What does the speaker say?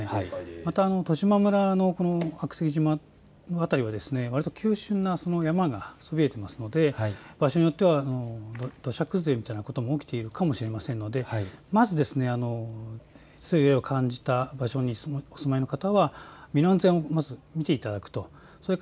また十島村の悪石島、この辺りは山がそびえていますので場所によっては、土砂崩れみたいなことも起きているかもしれませんので、まず揺れを感じた場所にお住まいの方は身の安全の確保をしていただく。